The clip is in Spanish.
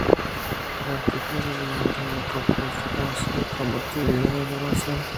El artículo deriva de la propuesta conocida como teoría de la información.